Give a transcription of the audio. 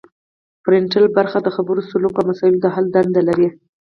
فرنټل برخه د خبرو سلوک او مسایلو د حل دنده لري